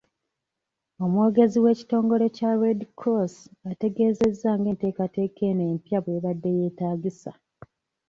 Omwogezi w'ekitongole kya Red Cross, ategeezezza ng'enteekateeka eno empya bw'ebadde yeetaagisa .